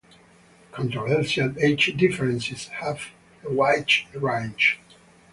Controversial age differences have a wide range.